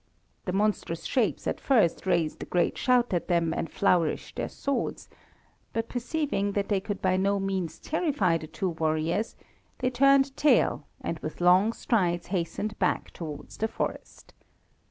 The monstrous shapes at first raised a great shout at them, and flourished their swords, but perceiving that they could by no means terrify the two warriors, they turned tail, and with long strides hastened back towards the forest.